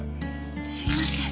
すいません。